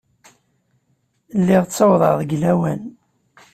Lliɣ ttawḍeɣ deg lawan.